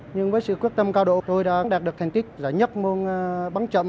nhưng với sự quyết tâm cao độ tôi đã đạt được thành tích là nhất môn bắn chậm